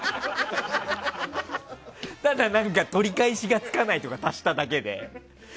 ただ、取り返しがつかないとか足しただけで。